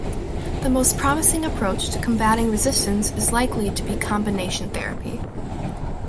The most promising approach to combating resistance is likely to be combination therapy.